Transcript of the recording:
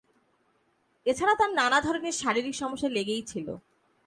এছাড়া তার নানা ধরনের শারীরিক সমস্যা লেগেই ছিল।